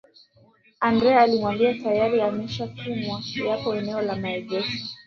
Andrea alimwambia tayari yameshatumwa yapo eneo la maegesho